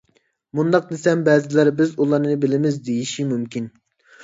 مۇنداق دېسەم، بەزىلەر «بىز ئۇلارنى بىلىمىز» ، دېيىشى مۇمكىن.